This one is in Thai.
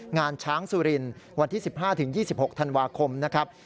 งานช้างสุรินวันที่๑๕๒๖ธันวาคมนะครับ